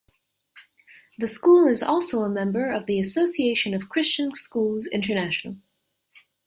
The school is also a member of the Association of Christian Schools International.